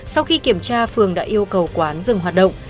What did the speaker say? sau khi kiểm tra phường đã yêu cầu quán dừng hoạt động